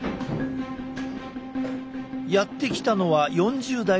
やって来たのは４０代の男性。